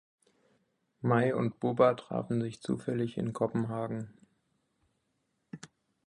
My und Bubba trafen sich zufällig in Kopenhagen.